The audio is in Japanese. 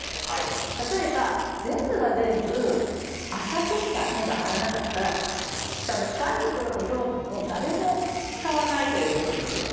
例えば全部が全部浅くしか根が張らなかったら下の深いところの養分を誰も使わないということですよね。